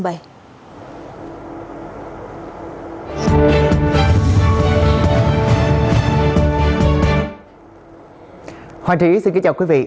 hoàng trí xin kính chào quý vị